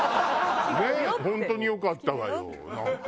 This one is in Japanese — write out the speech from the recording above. ねえ本当によかったわよなんか。